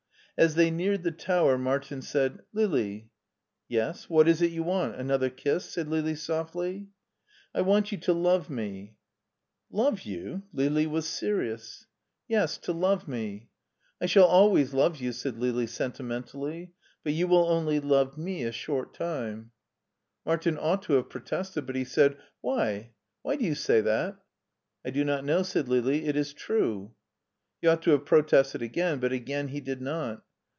As they neared the tower Martin said :" Lili." "Yes, what is it you want? Another kiss?" said Lili softly. " I want you to love me." " Love you! " Lili was serious. €€ 48 MARTIN SCHULER " Yes, to love me/' " I shall always love you/* said Lili sentimentally, '* but you will only love me a short time/* Martin ought to have protested, but he said :" Why? Why do you say that?^* I do not know,*' said Lili. " It is true/' He ought to have protested again, but again he did not.